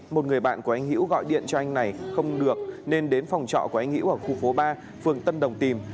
một người bạn của anh hữu gọi điện cho anh này không được nên đến phòng trọ của anh hiễu ở khu phố ba phường tân đồng tìm